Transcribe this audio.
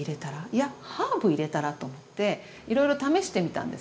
いやハーブ入れたら？と思っていろいろ試してみたんですよね。